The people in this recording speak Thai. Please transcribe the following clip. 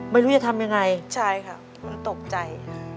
ไม่รู้จะทำยังไงใช่ค่ะมันตกใจ